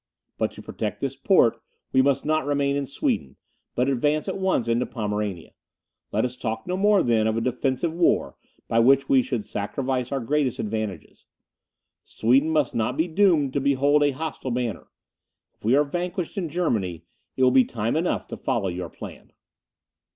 But to protect this port, we must not remain in Sweden, but advance at once into Pomerania. Let us talk no more, then, of a defensive war, by which we should sacrifice our greatest advantages. Sweden must not be doomed to behold a hostile banner; if we are vanquished in Germany, it will be time enough to follow your plan."